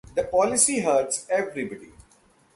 The policy hurts everybody.